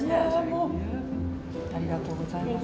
もう、ありがとうございます。